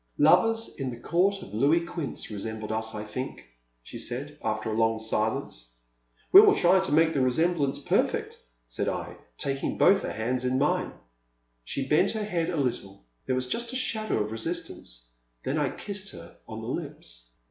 I/)vers in the Court of Louis Quinze resem bled us, I think," she said, after a long silence. We will try to make the resemblance per fisct," said I, taking both her hands in mine. She bent her head a little, — there was just a shadow of resistance, — then I kissed her on the lips.